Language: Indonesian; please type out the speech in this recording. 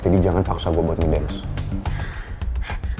jadi jangan paksa gue buat ngedance